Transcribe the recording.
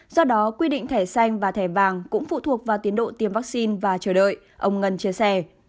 do đó quy định thẻ xanh và thẻ vàng cũng phụ thuộc vào tiến độ tiêm vaccine và chờ đợi ông ngân chia sẻ